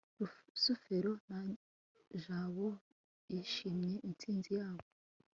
rusufero na jabo bishimiye intsinzi yabo